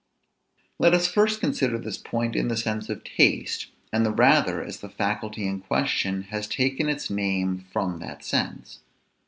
Let us first consider this point in the sense of taste, and the rather as the faculty in question has taken its name from that sense.